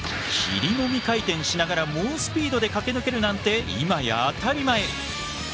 きりもみ回転しながら猛スピードで駆け抜けるなんて今や当たり前。